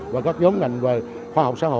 và các nhóm ngành về khoa học